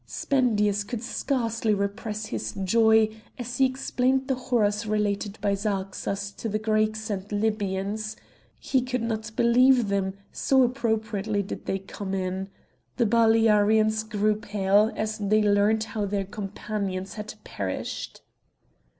Spendius could scarcely repress his joy, as he explained the horrors related by Zarxas to the Greeks and Libyans; he could not believe them, so appropriately did they come in. The Balearians grew pale as they learned how their companions had perished.